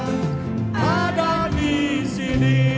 semuanya ada di sini